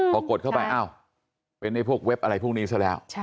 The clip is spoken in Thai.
พอกดเข้าไปอ้าวเป็นพวกเว็บอะไรพวกนี้ซะแล้ว